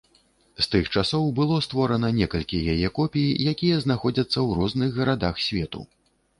З тых часоў было створана некалькі яе копій, якія знаходзяцца ў розных гарадах свету.